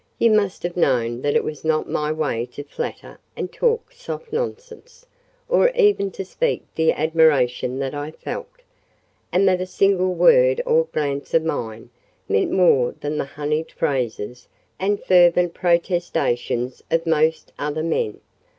"You must have known that it was not my way to flatter and talk soft nonsense, or even to speak the admiration that I felt; and that a single word or glance of mine meant more than the honied phrases and fervent protestations of most other men."